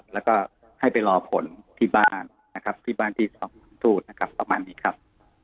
แล้วก็ให้ไปรอผลที่บ้านที่ท่านทูตนะครับประมาณนี้ครับ